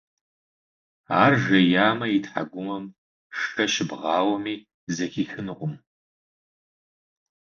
Ар жеямэ, и тхьэкӏумэм шэ щыбгъауэми зэхихынукъым.